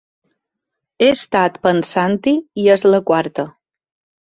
He estat pensant-hi i és la quarta.